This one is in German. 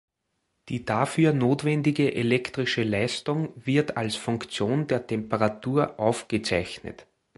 Die dafür notwendige elektrische Leistung wird als Funktion der Temperatur aufgezeichnet.